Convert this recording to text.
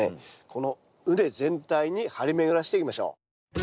この畝全体に張り巡らせていきましょう。